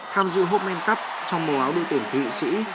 tham dự home end cup trong màu áo đội tuyển thị sĩ